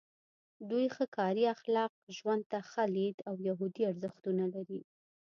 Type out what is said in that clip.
دوی ښه کاري اخلاق، ژوند ته ښه لید او یهودي ارزښتونه لري.